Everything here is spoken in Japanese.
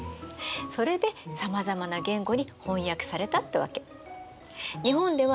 それでさまざまな言語に翻訳されたってわけ。